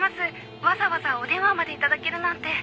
わざわざお電話までいただけるなんて。